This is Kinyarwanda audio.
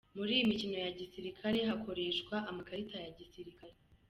Muri iyi mikino ya gisirikare hakoreshwa amakarita ya gisirikare.